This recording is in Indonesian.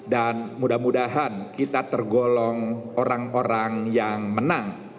dan mudah mudahan kita tergolong orang orang yang menang